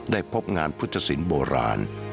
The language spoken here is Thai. พบงานพุทธศิลป์โบราณ